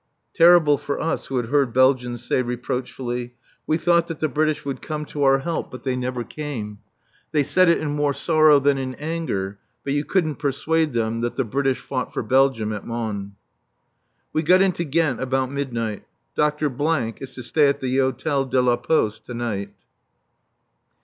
Terrible for us, who had heard Belgians say reproachfully: "We thought that the British would come to our help. But they never came!" They said it more in sorrow than in anger; but you couldn't persuade them that the British fought for Belgium at Mons. We got into Ghent about midnight. Dr. is to stay at the Hôtel de la Poste to night.